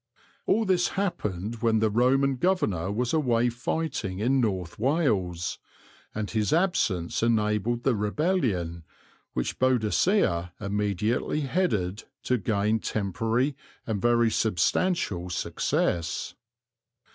All this happened when the Roman Governor was away fighting in North Wales, and his absence enabled the rebellion, which Boadicea immediately headed, to gain temporary and very substantial success.